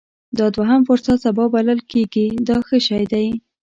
دا دوهم فرصت سبا بلل کېږي دا ښه شی دی.